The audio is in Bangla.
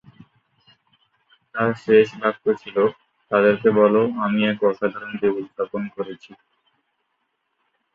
তার শেষ বাক্য ছিলঃ "তাদেরকে বলো, আমি এক অসাধারণ জীবন যাপন করেছি"।